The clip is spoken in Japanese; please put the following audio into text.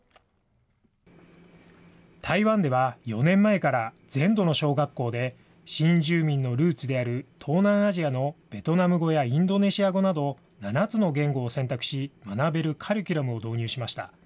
台湾では４年前から、全土の小学校で新住民のルーツである東南アジアのベトナム語やインドネシア語など、７つの言語を選択し、学べるカリキュラムを導入しました。